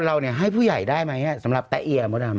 เราเนี้ยให้ผู้ใหญ่ได้ไหมฮะสำหรับแตะเอียมประดำ